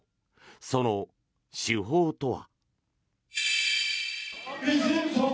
その手法とは。